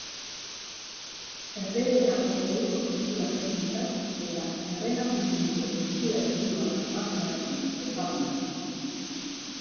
Herbehereetako ohiko pintura teknikak eta Errenazimenduko pintura estiloak batzeagatik ezaguna.